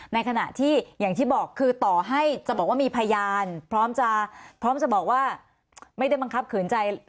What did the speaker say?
ในขณะที่อย่างที่บอกคือต่อให้จะบอกว่ามีพยานพร้อมจะพร้อมจะบอกว่าไม่ได้บังคับขืนใจ